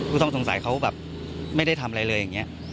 ผู้ต้องสงสัยเขาแบบไม่ได้ทำอะไรเลยอย่างนี้